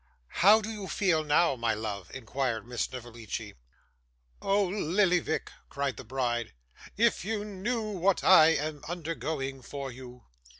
'How do you feel now, my love?' inquired Miss Snevellicci. 'Oh Lillyvick!' cried the bride. 'If you knew what I am undergoing for you!